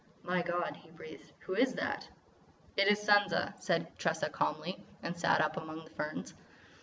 "My God," he breathed, "who is that!" "It is Sansa," said Tressa calmly, and sat up among the ferns.